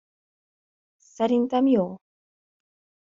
Szerintem jó.